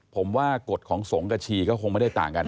ผมว่ากฎของสงฆ์กับชีก็คงไม่ได้ต่างกัน